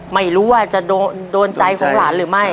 ไม่รู้ว่าจะโดนใจของหลานหรือไม่